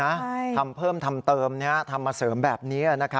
นี้อันตรายทำเพิ่มทำเติมและทำมาเสริมแบบนี้